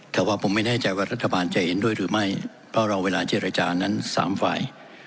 แต่ว่าผมไม่แน่ใจว่ารัฐบาลจะเห็นด้วยหรือไม่เพราะเราเวลาเจรจานั้นสามฝ่าย